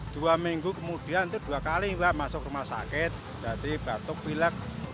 dua minggu kemudian itu dua kali masuk rumah sakit berarti batuk pilek